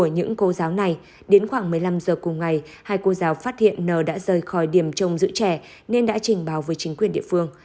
những cô giáo này đến khoảng một mươi năm giờ cùng ngày hai cô giáo phát hiện nờ đã rời khỏi điểm trông giữ trẻ nên đã trình báo với chính quyền địa phương